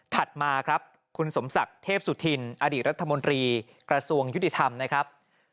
มาครับคุณสมศักดิ์เทพสุธินอดีตรัฐมนตรีกระทรวงยุติธรรมนะครับ